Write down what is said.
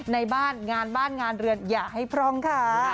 ในบ้านงานบ้านงานเรือนอย่าให้พร่องค่ะ